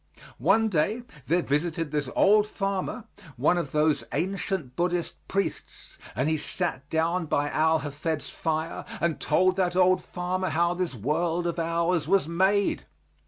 One day there visited this old farmer one of those ancient Buddhist priests, and he sat down by Al Hafed's fire and told that old farmer how this world of ours was made.